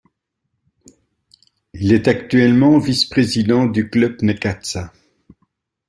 Il est actuellement vice-président du Club Necaxa.